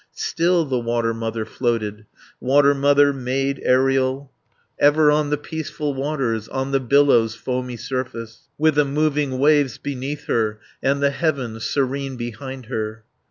Still the Water Mother floated, Water Mother, maid aerial, 250 Ever on the peaceful waters, On the billows' foamy surface, With the moving waves before her, And the heaven serene behind her.